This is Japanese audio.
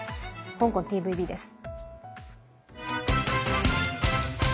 香港ＴＶＢです。